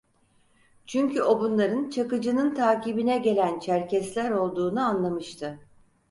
Çünkü o bunların Çakıcı'nın takibine gelen Çerkesler olduğunu anlamıştı.